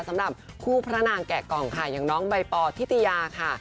สำหรับคู่พระนางแกะกล่องค่ะอย่างน้องใบปอทิตยาค่ะ